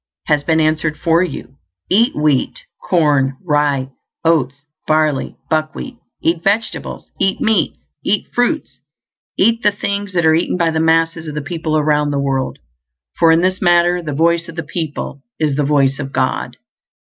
has been answered for you. Eat wheat, corn, rye, oats, barley, buckwheat; eat vegetables; eat meats, eat fruits, eat the things that are eaten by the masses of the people around the world, for in this matter the voice of the people is the voice of God.